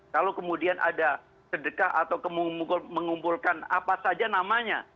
kalau kemudian ada sedekah atau mengumpulkan apa saja namanya